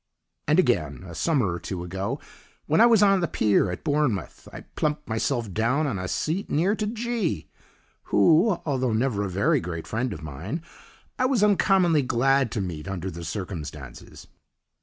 And again, a summer or two ago, when I was on the pier at Bournemouth, I "plumped" myself down on a seat near to "G," who, although never a very great friend of mine, I was uncommonly glad to meet under the circumstances.